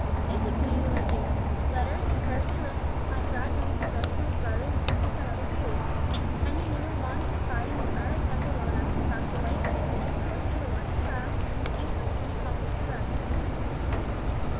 This he could easily do. Letters, carefully written, might gradually suggest to his brother that Beatriz had other views; and he knew Juan's pride and his fiery temper well enough to calculate that if his jealousy were once aroused, these would soon accomplish the rest.